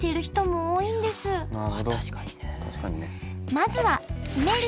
まずは決める